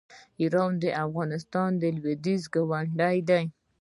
ایران د افغانستان لویدیځ ګاونډی دی.